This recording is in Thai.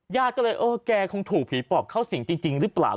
ญาติก็เลยเออแกคงถูกผีปอบเข้าสิงจริงหรือเปล่า